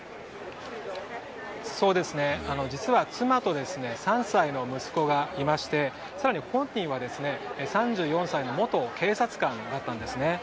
実は妻と３歳の息子がいまして更に犯人は３４歳の元警察官だったんですね。